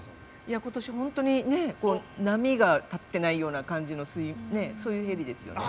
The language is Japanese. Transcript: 今年本当に波が立っていない感じのそういうヘリですよね。